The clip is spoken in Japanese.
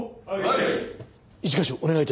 はい。